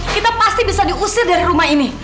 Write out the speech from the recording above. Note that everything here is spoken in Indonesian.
kita pasti bisa diusir dari rumah ini